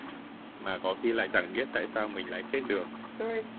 Mà có khi lại chẳng biết tại sao mình lại chết được